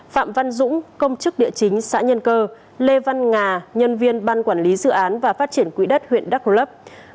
phạm văn dũng công chức địa chính xã nhân cơ lê văn nga nhân viên ban quản lý dự án và phát triển quỹ đất huyện đắk rấp